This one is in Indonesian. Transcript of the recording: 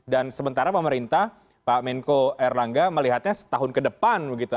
dan sementara pemerintah pak menko erlangga melihatnya setahun ke depan begitu